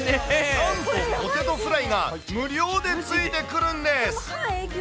なんとポテトフライが無料でついてくるんです。